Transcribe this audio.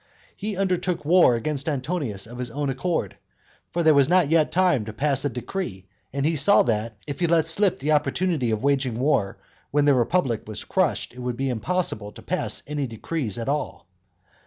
He undertook war against Antonius of his own accord; for there was not yet time to pass a decree; and he saw that, if he let slip the opportunity of waging war, when the republic was crushed it would be impossible to pass any decrees at all.